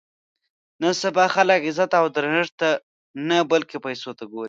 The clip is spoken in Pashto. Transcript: نن سبا خلک عزت او درنښت ته نه بلکې پیسو ته ګوري.